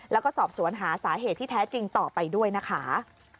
แล้วก็สอบสวนหาสาเหตุที่แท้จริงต่อไปด้วยนะคะ